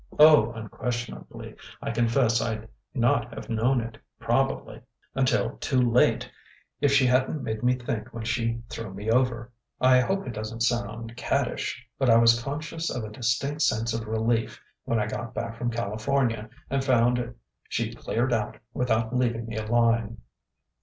"Oh, unquestionably. I confess I'd not have known it, probably, until too late, if she hadn't made me think when she threw me over. I hope it doesn't sound caddish but I was conscious of a distinct sense of relief when I got back from California and found she'd cleared out without leaving me a line."